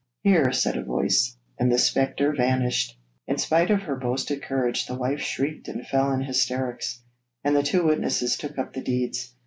'Here,' said a voice, and the spectre vanished. In spite of her boasted courage, the wife shrieked and fell in hysterics, and the two witnesses took up the deeds.